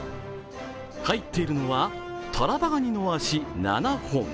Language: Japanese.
入っているのはタラバガニの脚７本。